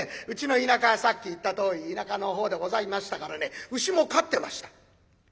うちの田舎はさっき言ったとおり田舎の方でございましたからね牛も飼ってました。